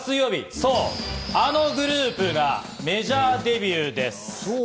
そうあのグループがメジャーデビューです。